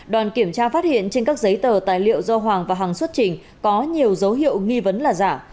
đoàn kiểm tra phát hiện trên các giấy tờ tài liệu do hoàng và hàng xuất trình có nhiều dấu hiệu nghi vấn là giả